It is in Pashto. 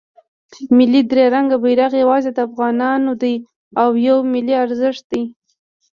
ملی درې رنګه بیرغ یواځې د افغانانو دی او یو ملی ارزښت دی.